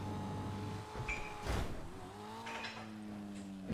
Výstavba kaple trvala pouhých šest týdnů.